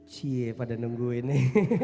ciee pada nunggu ini